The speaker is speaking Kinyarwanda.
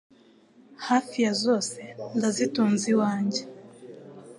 hafi ya zose ndazitunze iwanjye